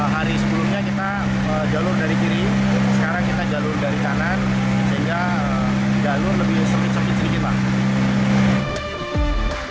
hari sebelumnya kita jalur dari kiri sekarang kita jalur dari kanan sehingga jalur lebih sempit sempit sedikit bang